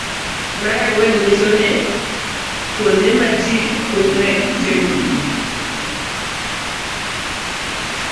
Mar ang'wen nyiso ni; A. Kuonde ma ji kunyoe kitego